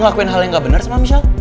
ngelakuin hal yang gak bener sama michelle